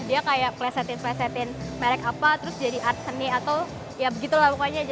dia kayak klesetin klesetin merek apa terus jadi art seni atau ya begitulah pokoknya